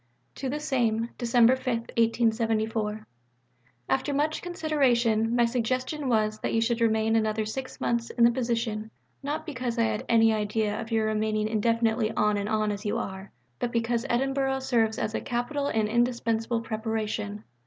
(To the same.) Dec. 5 . After much consideration my suggestion was that you should remain another six months in the same position, not because I had any idea of your remaining indefinitely on and on as you are, but because Edinburgh serves as a capital and indispensable preparation.